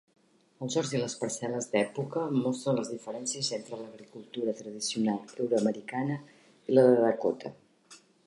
Els horts i les parcel·les d'època mostren les diferències entre l'agricultura tradicional euro-americana i la de Dakota.